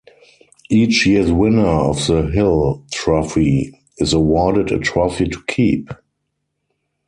Each year's winner of the Hill Trophy is awarded a trophy to keep.